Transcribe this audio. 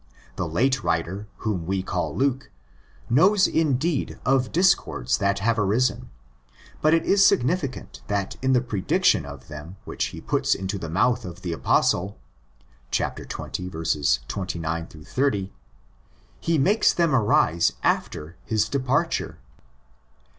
The late writer whom we call Luke, knows indeed of discords that have arisen; but it is significant that in the predic tion of them which he puts into the mouth of the Apostle (xx. 29 80) he makes them arise after his departure.